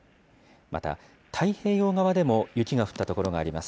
また太平洋側でも雪が降った所があります。